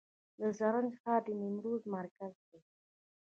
د زرنج ښار د نیمروز مرکز دی